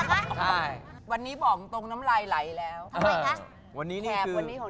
เอ้าคุณแจ้แล้วหนูเล็ก